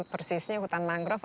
persisnya hutan mangrove